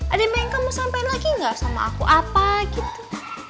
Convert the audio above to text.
ada yang kamu sampaikan lagi gak sama aku apa gitu